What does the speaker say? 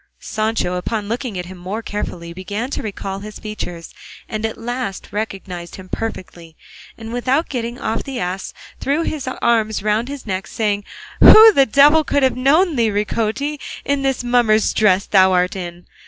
Sancho upon this looking at him more carefully began to recall his features, and at last recognised him perfectly, and without getting off the ass threw his arms round his neck saying, "Who the devil could have known thee, Ricote, in this mummer's dress thou art in?